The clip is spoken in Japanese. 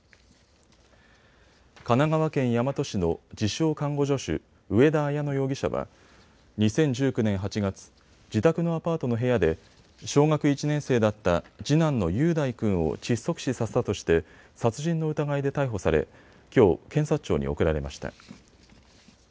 神奈川県大和市の自称、看護助手、上田綾乃容疑者は２０１９年８月、自宅のアパートの部屋で小学１年生だった次男の雄大君を窒息死させたとして殺人の疑いで逮捕されきょう、検察庁に送られました。